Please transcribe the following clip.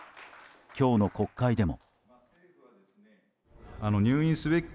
今日の国会でも。